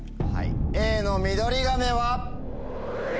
Ａの「ミドリガメ」は？